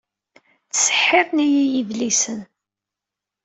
Ttseḥḥiren-iyi yedlisen.